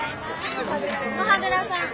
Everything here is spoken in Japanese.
こはぐらさん。